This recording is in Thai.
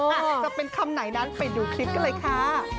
อาจจะเป็นคำไหนนั้นไปดูคลิปกันเลยค่ะ